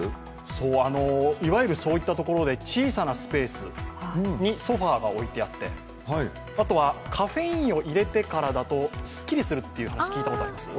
そう、いわゆるそういったところで、小さなスペースにソファーが置いてあってあとはカフェインを入れてからだとスッキリするという話、聞いたことあります？